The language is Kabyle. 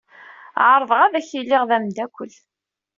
Ɛerḍeɣ ad k-iliɣ d amdakel.